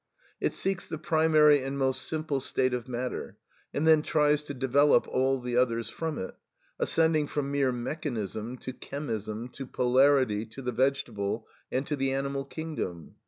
It seeks the primary and most simple state of matter, and then tries to develop all the others from it; ascending from mere mechanism, to chemism, to polarity, to the vegetable and to the animal kingdom.